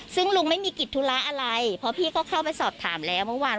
ซึ่งลุงไม่มีกิจธุระอะไรเพราะพี่ก็เข้าไปสอบถามแล้วเมื่อวาน